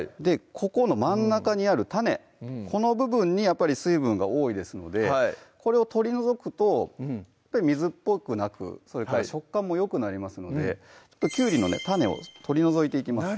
ここの真ん中にある種この部分にやっぱり水分が多いですのでこれを取り除くと水っぽくなくそれから食感もよくなりますのできゅうりの種を取り除いていきます